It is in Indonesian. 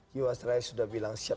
jiwasraya sudah bilang siap lima t